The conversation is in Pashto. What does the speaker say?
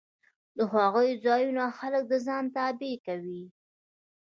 د هغو ځایونو خلک د ځان تابع کوي